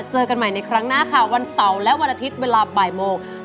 เจอกันใหม่ในครั้งหน้าค่ะวันเสาร์และวันอาทิตย์เวลาบ่ายโมง